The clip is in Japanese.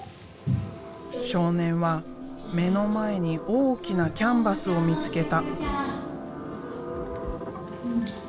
少年は目の前に大きなキャンバスを見つけた。